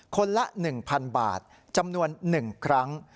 ละ๑๐๐๐บาทจำนวน๑ครั้ง